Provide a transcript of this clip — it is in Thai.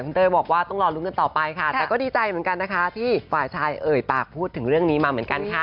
เต้ยบอกว่าต้องรอลุ้นกันต่อไปค่ะแต่ก็ดีใจเหมือนกันนะคะที่ฝ่ายชายเอ่ยปากพูดถึงเรื่องนี้มาเหมือนกันค่ะ